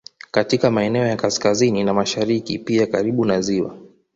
Katika maeneo ya kaskazini na mashariki pia karibu na ziwa